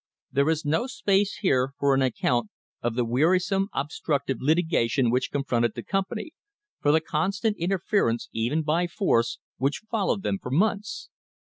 There is no space here for an account of the wearisome obstructive litigation which con fronted the company, for the constant interference, even by force, which followed them for months.